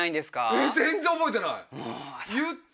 えっ全然覚えてない言った？